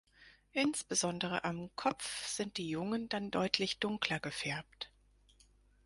Insbesondere am Kopf sind die Jungen dann deutlich dunkler gefärbt.